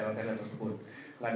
di sini pak